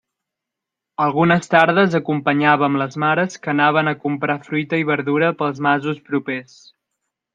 Algunes tardes acompanyàvem les mares que anaven a comprar fruita i verdura pels masos propers.